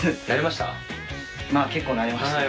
まあ結構慣れました。